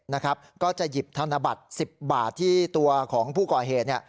นะครับก็จะหยิบธนบัตร๑๐บาทที่ตัวของผู้ก่อเหตุเนี่ย